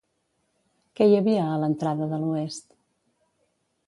Què hi havia a l'entrada de l'oest?